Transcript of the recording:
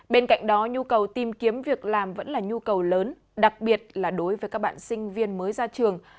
bên cạnh đó nhu cầu tìm kiếm việc làm vẫn là nhu cầu lớn đặc biệt là đối với các bạn sinh viên mới ra trường